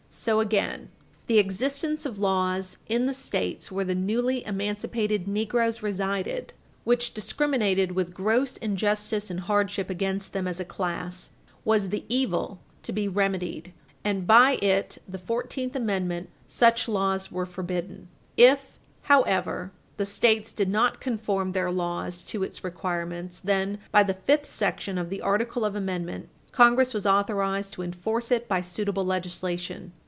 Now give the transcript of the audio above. So again: "The existence of laws in the States where the newly emancipated negroes resided which discriminated with gross injustice and hardship against them as a class was the evil to be remedied, and, by it [the Fourteenth Amendment], such laws were forbidden. If, however, the States did not conform their laws to its requirements, then, by the fifth section of the article of amendment, Congress was authorized to enforce it by suitable legislation."